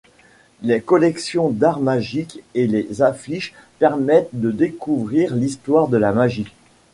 Les collections d’art magique et les affiches permettent de découvrir l’histoire de la magie.